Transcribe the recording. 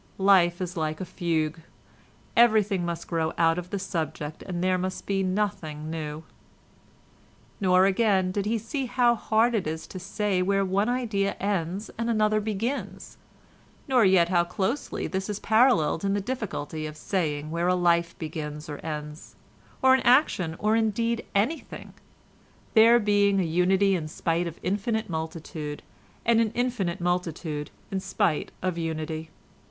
Life is like a fugue, everything must grow out of the subject and there must be nothing new. Nor, again, did he see how hard it is to say where one idea ends and another begins, nor yet how closely this is paralleled in the difficulty of saying where a life begins or ends, or an action or indeed anything, there being an unity in spite of infinite multitude, and an infinite multitude in spite of unity.